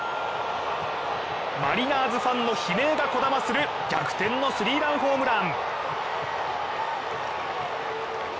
マリナーズファンの悲鳴がこだまする逆転のスリーランホームラン。